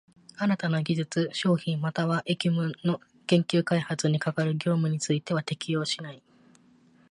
新たな技術、商品又は役務の研究開発に係る業務については適用しない。